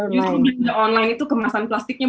justru belanja online itu kemasan plastiknya